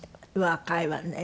若いわね。